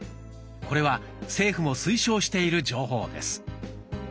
これは政府も推奨している情報です。